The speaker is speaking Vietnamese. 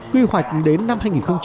quy hoạch đến năm hai nghìn một mươi sáu